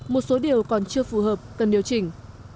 một số điều còn chưa phù hợp cần điều chỉnh